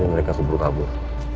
mereka keburu kabur